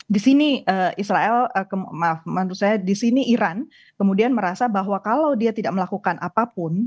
di sini israel menurut saya di sini iran kemudian merasa bahwa kalau dia tidak melakukan apapun